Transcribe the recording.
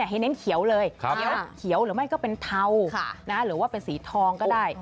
ให้เน้นเขียวเลยเขียวหรือไม่ก็เป็นเทาหรือว่าเป็นสีทองก็ได้